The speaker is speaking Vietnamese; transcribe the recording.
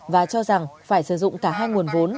và cho rằng phải sử dụng cả hai nguồn vốn